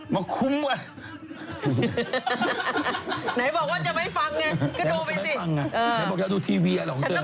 ไหนบอกว่าจะดูทีวี